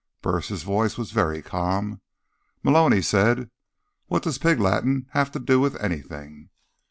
Burris' voice was very calm. "Malone," he said, "what does pig Latin have to do with anything?"